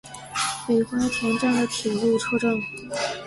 北花田站的铁路车站。